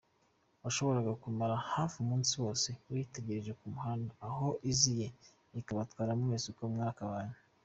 Washoboraga kumara hafi umunsi wose uyitegereje ku muhanda, aho iziye ikabatwara mwese uko mwakabaye.